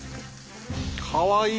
かわいい！